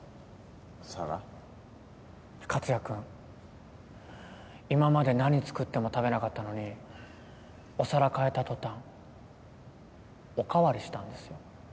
克哉君今まで何作っても食べなかったのにお皿替えた途端お代わりしたんですよ。